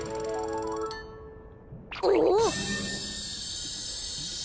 おっ！